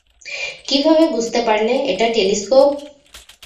কীভাবে বুঝতে পারলে এটা টেলিস্কোপ?